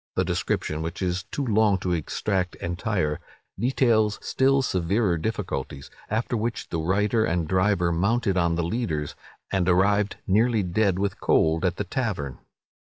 The description, which is too long to extract entire, details still severer difficulties; after which the writer and driver mounted on the leaders, and arrived, nearly dead with cold, at the tavern.